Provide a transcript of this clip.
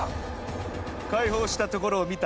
解放したところを見た。